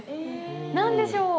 何でしょう？